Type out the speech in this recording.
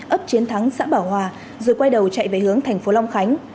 ấp chiến thắng xã bảo hòa rồi quay đầu chạy về hướng tp long khánh